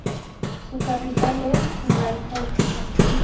Su capital es Raipur.